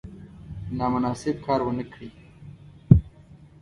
نامناسب کار ونه کړي.